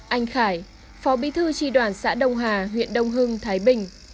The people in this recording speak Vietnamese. anh khải phó bí thư tri đoàn xã đông hà huyện đông hưng thái bình